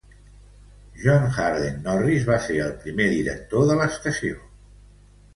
John Harden Norris va ser el primer director de l'estació.